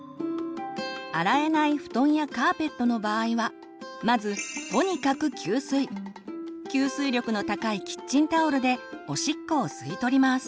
洗えない布団やカーペットの場合はまず吸水力の高いキッチンタオルでおしっこを吸い取ります。